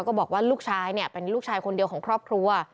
บอกว่าลูกชายเนี่ยเป็นลูกชายคนเดียวของครอบครัว